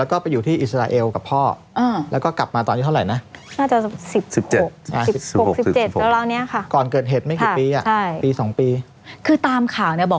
ก็ประมาณ๒๐ปี